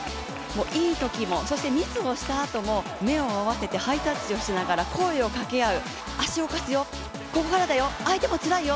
いいときも、そしてミスをしたあとも目を合わせてハイタッチをしながら声をかけ合う、ここからだよ、相手もつらいよ！